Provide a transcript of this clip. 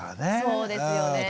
そうですよねえ。